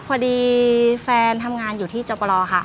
พอดีแฟนทำงานอยู่ที่จบรอค่ะ